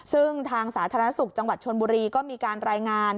ซึ่งทางสาธารณสุขจังหวัดชนบุรีก็มีการรายงาน